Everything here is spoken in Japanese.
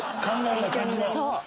「考えるな感じろ」。